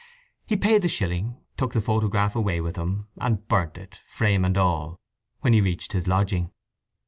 He paid the shilling, took the photograph away with him, and burnt it, frame and all, when he reached his lodging.